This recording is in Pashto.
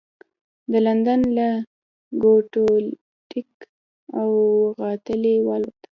د لندن له ګېټوېک الوتغالي والوتم.